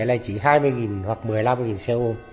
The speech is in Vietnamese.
là chỉ hai mươi hoặc một mươi năm xe ôm